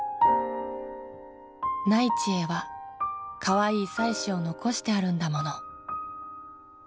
「内地へは可愛い妻子を残してあるんだもの」